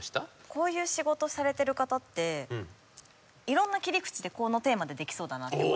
こういう仕事されてる方っていろんな切り口でこのテーマでできそうだなって思いますね。